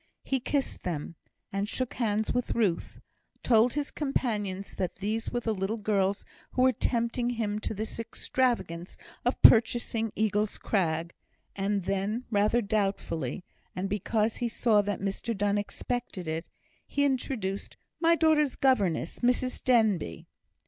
He kissed them, and shook hands with Ruth; told his companions that these were the little girls who were tempting him to this extravagance of purchasing Eagle's Crag; and then, rather doubtfully, and because he saw that Mr Donne expected it, he introduced "My daughters' governess, Mrs Denbigh."